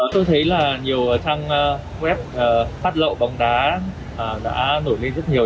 tôi thấy là nhiều trang web phát lậu bóng đá đã nổi lên rất nhiều